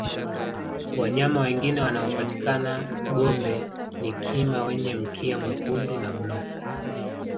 wanyama wengine wanaopatikana gombe ni kima wenye mkia mwekundu na bluu